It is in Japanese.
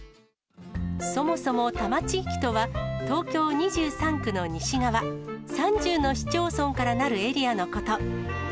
そもそも多摩地域とは、東京２３区の西側、３０の市町村からなるエリアのこと。